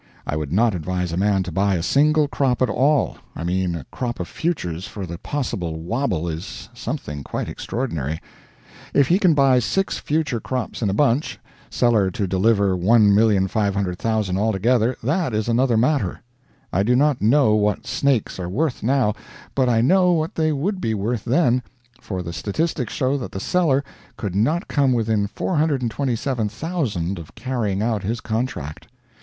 I would not advise a man to buy a single crop at all I mean a crop of futures for the possible wobble is something quite extraordinary. If he can buy six future crops in a bunch, seller to deliver 1,500,000 altogether, that is another matter. I do not know what snakes are worth now, but I know what they would be worth then, for the statistics show that the seller could not come within 427,000 of carrying out his contract.